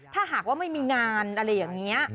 ถ้าหากว่าไม่มีงานอะไรอย่างนี้